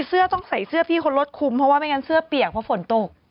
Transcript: เสื้อต้องใส่เสื้อพี่คนรถคุมเพราะว่าไม่งั้นเสื้อเปียกเพราะฝนตก